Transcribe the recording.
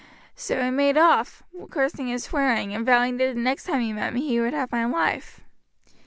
So he made off, cursing and swearing, and vowing that the next time he met me he would have my life."